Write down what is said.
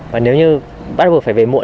và nếu như bắt buộc phải về muộn